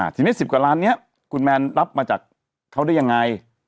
ทีนี้๑๐กว่าล้านนี้คุณแมนรับมาจากเขาได้ยังไง